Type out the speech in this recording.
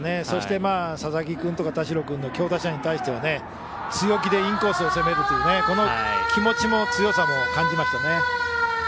そして、佐々木君とか田代君の強打者に対しては強気でインコースを攻めるというこの気持ちも強さも感じましたね。